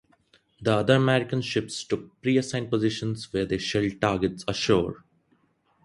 The other American ships took preassigned positions where they shelled targets ashore.